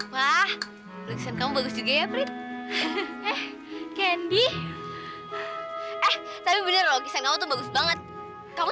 wah lingsan kamu bagus juga ya prit eh candy eh tapi bener lho kisah kamu tuh bagus banget kamu